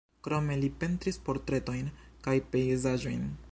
Krome li pentris portretojn kaj pejzaĝojn.